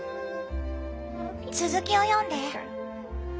続きを読んで。